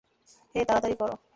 হেই, তাড়াতাড়ি কর।